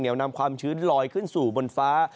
นำความชื้นลอยขึ้นสู่บนฟ้า